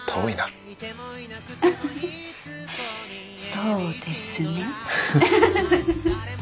そうですね。